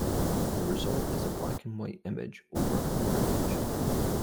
The result is a black-and-white image over a color image.